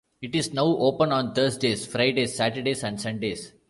It is now open on Thursdays, Fridays, Saturdays and Sundays.